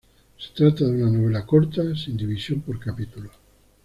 Se trata de una novela corta sin división por capítulos.